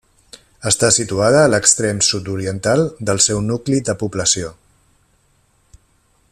Està situada a l'extrem sud-oriental del seu nucli de població.